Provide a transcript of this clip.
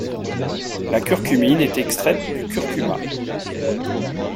La curcumine est extraite du curcuma.